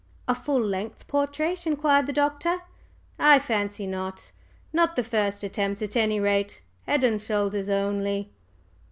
"A full length portrait?" inquired the Doctor. "I fancy not. Not the first attempt, at any rate head and shoulders only."